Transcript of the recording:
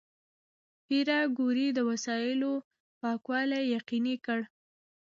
پېیر کوري د وسایلو پاکوالي یقیني کړ.